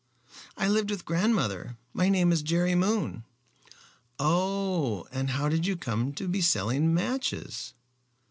"I lived with grandmother. My name is Jerry Moon." "Oh! And how did you come to be selling matches?"